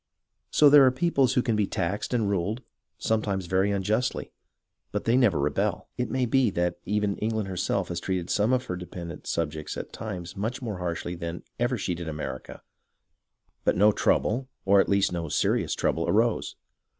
So there are peoples who can be taxed and ruled, sometimes very unjustly, but they never rebel. It may be that even England herself has treated some of her dependent subjects at times much more harshly than ever she did America, but no trouble, or at least no serious trouble, arose.